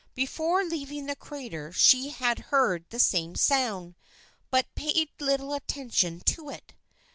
Before leaving the crater she had heard the same sound, but paid little attention to it.